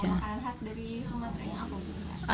makanan khas dari sumatera yang apa